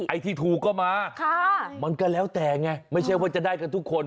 ไอ้ที่ถูกก็มามันก็แล้วแต่ไงไม่ใช่ว่าจะได้กันทุกคน